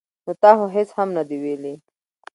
ـ نو تا خو هېڅ هم نه دي ویلي.